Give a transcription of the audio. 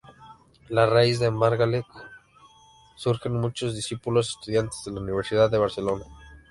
A raíz de Margalef surgen muchos discípulos, estudiantes de la Universidad de Barcelona.